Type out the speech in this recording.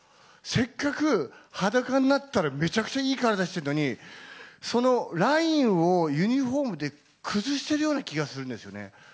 せっかく、裸になったらめちゃくちゃいい体してるのに、そのラインをユニホームで崩しているような気がするんですよね。